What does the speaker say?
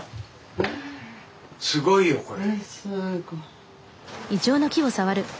すごいよこれ。